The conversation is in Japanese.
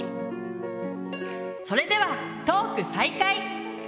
それではトーク再開！